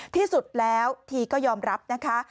ที่สุดแล้วทีก็ยอมรับนะคะ